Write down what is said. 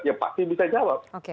ya pasti bisa jawab